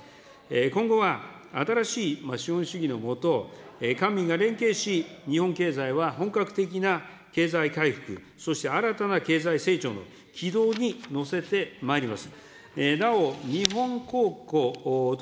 今後は新しい資本主義のもと、官民が連携し、日本経済は本格的な経済回復、そして新たな経済成長の軌道に乗せてまいります。